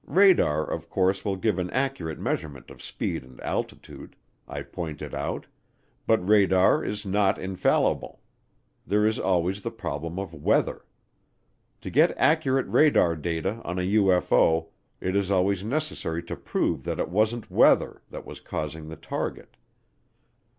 Radar, of course, will give an accurate measurement of speed and altitude, I pointed out, but radar is not infallible. There is always the problem of weather. To get accurate radar data on a UFO, it is always necessary to prove that it wasn't weather that was causing the target.